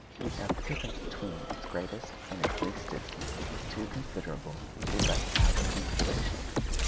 Now the difference between its greatest and its least distance is too considerable to be left out of consideration.